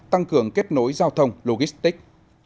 tăng cường kết nối giao thông logistic